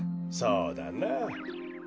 そうだなあ。